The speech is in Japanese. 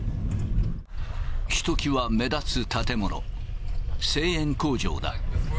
ひときわ目立つ建物、製塩工場だ。